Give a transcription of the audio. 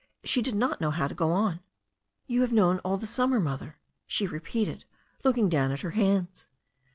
She did not know how to go on. "You have known all the stunmer, Mother/' she repeated, looking down at her hands.